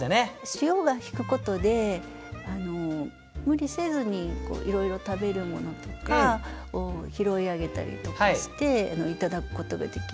潮が引くことで無理せずにいろいろ食べるものとかを拾い上げたりとかしていただくことができる。